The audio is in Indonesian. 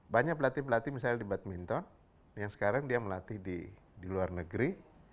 banyak pelatih pelatih misalnya di badminton yang sekarang dia melatih di luar negeri